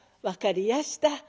「分かりやした。